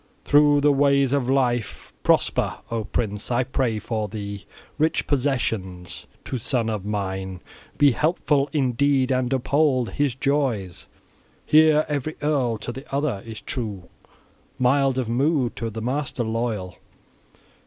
Through the ways of life prosper, O prince! I pray for thee rich possessions. To son of mine be helpful in deed and uphold his joys! Here every earl to the other is true, mild of mood, to the master loyal!